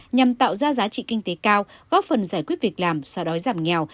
nhằm tạo ra giá trị kinh tế cao góp phần giải quyết việc làm xóa đói giảm nghèo